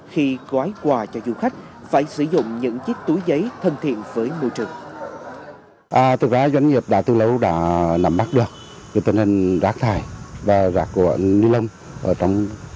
khi gói quà cho du khách phải sử dụng những chiếc túi giấy thân thiện với môi trường